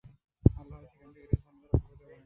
আল্লাহ সেখান থেকে একটি ঝর্ণাধারা প্রবাহিত করেন।